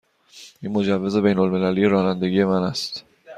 این مجوز بین المللی رانندگی من است.